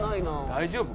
大丈夫？